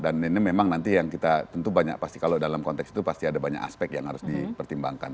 dan ini memang nanti yang kita tentu banyak pasti kalau dalam konteks itu pasti ada banyak aspek yang harus dipertimbangkan